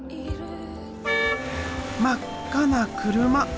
真っ赤な車！